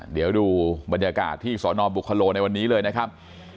เดี๋ยวดูบรรยากาศที่สนบุคโลในวันนี้เลยนะครับ